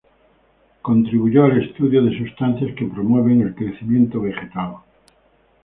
Contribuyó al estudio de sustancias que promueven el crecimiento vegetal.